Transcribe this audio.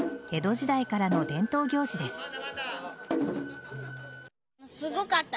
江戸時代からの伝統行事です。